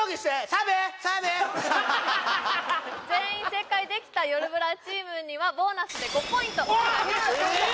サブ？全員正解できたよるブラチームにはボーナスで５ポイント差し上げます